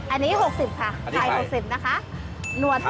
อันนี้๖๐กิโลกรัมค่ะไข่๖๐กิโลกรัมนะคะ